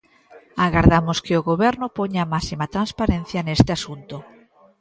Agardamos que o Goberno poña a máxima transparencia neste asunto.